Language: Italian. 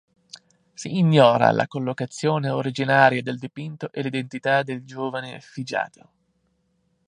Si ignora la collocazione originaria del dipinto e l'identità del giovane effigiato.